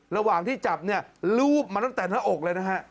ระหว่างที่จับเนี่ยรูปมาตั้งแต่หน้าอกเลยนะฮะ